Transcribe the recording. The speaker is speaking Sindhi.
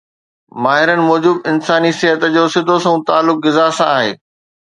ماهرن موجب انساني صحت جو سڌو سنئون تعلق غذا سان آهي